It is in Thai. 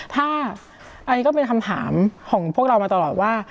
ถ้าอันนี้ก็เป็นคำถามของพวกเรามาตลอดว่า